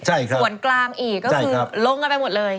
ส่วนกลางอีกก็คือลงกันไปหมดเลย